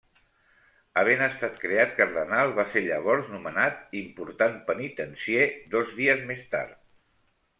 Havent estat creat cardenal va ser llavors nomenat Important Penitencier dos dies més tard.